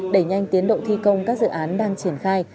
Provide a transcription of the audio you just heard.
đẩy nhanh tiến độ thi công các dự án đang triển khai